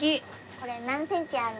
これ何センチある。